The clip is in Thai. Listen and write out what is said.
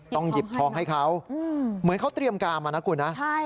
หยิบทองให้เขาเหมือนเขาเตรียมการมานะคุณนะ